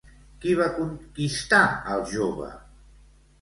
Qui va conquistar al jove?